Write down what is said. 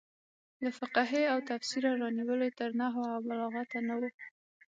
له فقهې او تفسیره رانیولې تر نحو او بلاغته نه وو.